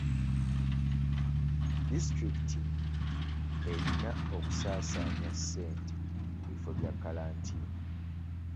Disitulikiti erina okusaasaanya ssente mu bifo bya kalantiini.